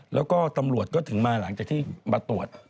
แล้วก็ตำรวจก็ถึงมาหลังจากที่มาตรวจ